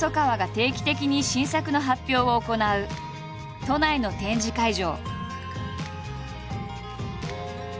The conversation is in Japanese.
定期的に新作の発表を行う都内の展示会場。